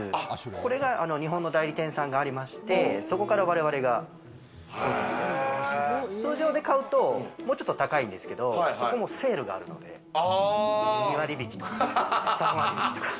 これが日本の代理店さんがありまして、そこから我々が通常で買うと、もうちょっと高いんですけどセールがあるので２割引とか、３割引とか。